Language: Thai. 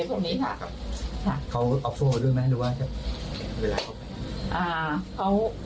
ชุดที่เขาใส่เป็นชุดของโรงบาลใช่ไหมครับ